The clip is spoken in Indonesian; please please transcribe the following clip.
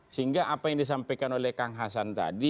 sehingga apa yang disampaikan oleh kang hasan tadi